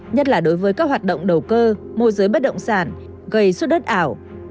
nhất là đối với các hoạt động đầu cơ môi giới bất động sản gây xuất đất ảo